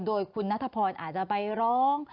โดยคุณณฑพอร์นอาจจะไปร้อง